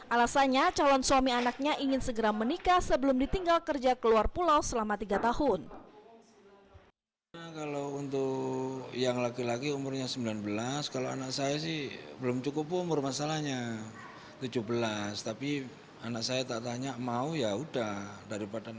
alasannya calon suami anaknya ingin segera menikah sebelum ditinggal kerja keluar pulau selama tiga tahun